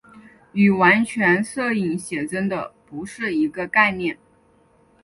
与完全摄影写真的不是一个概念。